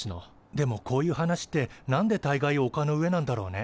でもこういう話ってなんでたいがいおかの上なんだろうね。